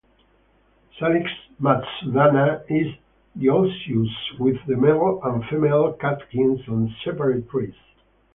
"Salix matsudana" is dioecious, with the male and female catkins on separate trees.